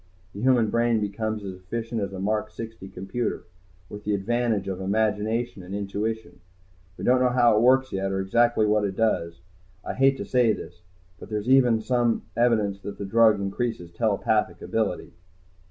The human brain becomes as efficient as a Mark 60 computer, with the advantage of imagination and intuition. We don't know how it works yet, or exactly what it does. I hate to say this. But there's even some evidence that the drug increases telepathic ability."